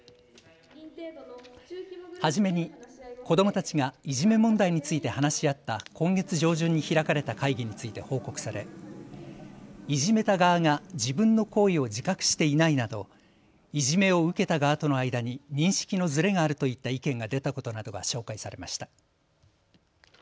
初めに子どもたちがいじめ問題について話し合った今月上旬に開かれた会議について報告されいじめた側が自分の行為を自覚していないなどいじめを受けた側との間に認識のずれがあるといった意見が出たことなどが紹介されました。